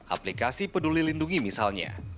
aplikasi peduli lindungi misalnya